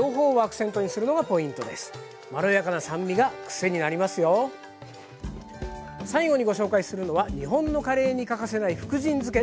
最後にご紹介するのは日本のカレーに欠かせない福神漬け。